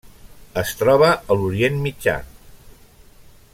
Es troba a l'Orient Mitjà: